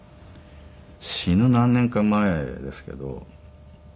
死ぬ何年か前ですけど。